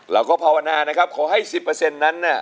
เราก็ภาวนานะครับขอให้๑๐เปอร์เซ็นต์นั้น